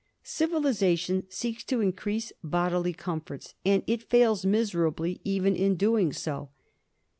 Civilization seeks to increase bodily comforts, and it fails miserably even in doing so.